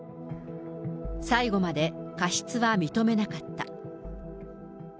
最後まで過失は認めなかった。